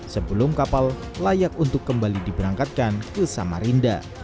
sebelum kapal layak untuk kembali diberangkatkan ke samarinda